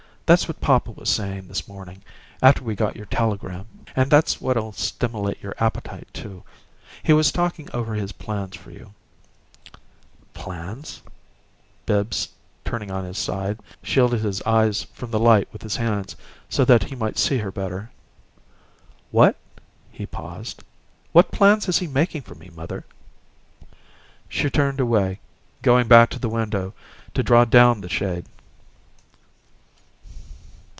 That's what papa was sayin' this morning, after we got your telegram; and that's what'll stimilate your appetite, too. He was talkin' over his plans for you " "Plans?" Bibbs, turning on his side, shielded his eyes from the light with his hand, so that he might see her better. "What " He paused. "What plans is he making for me, mother?" She turned away, going back to the window to draw down the shade.